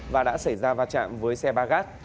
và đã xảy ra va chạm với xe ba gác